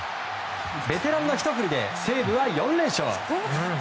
ベテランのひと振りで西武は４連勝。